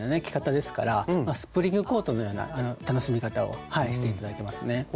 着方ですからスプリングコートのような楽しみ方をして頂けますね。